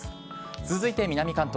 続いて南関東。